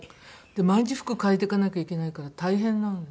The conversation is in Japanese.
毎日服替えていかなきゃいけないから大変なのよ。